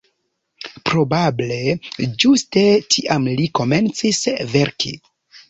Probable ĝuste tiam li komencis verki.